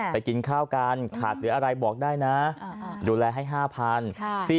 กินข้าวกันขาดหรืออะไรบอกได้นะดูแลให้๕๐๐บาท